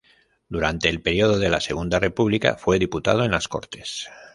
Durante el periodo de la Segunda República fue diputado en las Cortes.